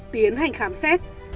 tiến hành khám xét